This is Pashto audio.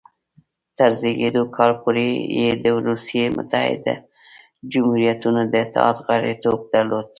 تر زېږدیز کال پورې یې د روسیې متحده جمهوریتونو د اتحاد غړیتوب درلود.